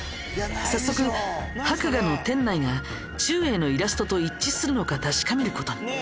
早速博雅の店内がちゅうえいのイラストと一致するのか確かめることに。